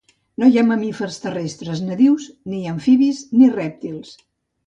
No hi ha mamífers terrestres nadius, ni amfibis ni rèptils.